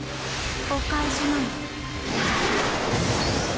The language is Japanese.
お返しなの。